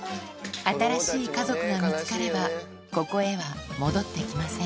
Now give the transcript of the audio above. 新しい家族が見つかればここへは戻って来ません